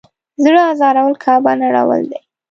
زړه ازارول کعبه نړول دی.